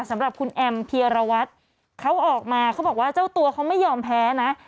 สำหรับคุณแอมเพียรวัตรเขาออกมาเขาบอกว่าเจ้าตัวเขาไม่ยอมแพ้นะ